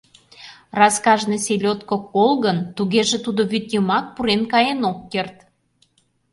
Раз кажне селёдко — кол гын, тугеже тудо вӱд йымак пурен каен ок керт.